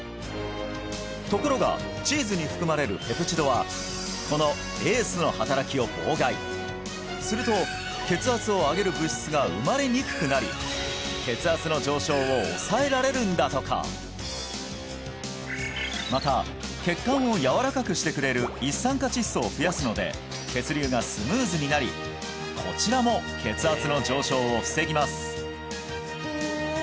ところがチーズに含まれるペプチドはこのすると血圧を上げる物質が生まれにくくなり血圧の上昇を抑えられるんだとかまた血管をやわらかくしてくれる一酸化窒素を増やすので血流がスムーズになりこちらも血圧の上昇を防ぎます